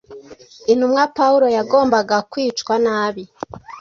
intumwa Pawulo yagombaga kwicwa nabi